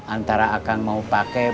antara akang mau pakai buat beli tanah